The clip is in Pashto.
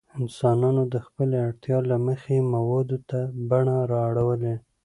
انسانانو د خپلې اړتیا له مخې موادو ته بڼه اړولې.